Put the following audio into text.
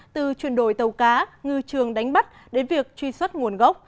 từ chuyển đổi tàu cá ngư trường đánh bắt đến việc truy xuất nguồn gốc